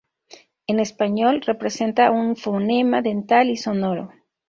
En español, representa un fonema dental y sonoro.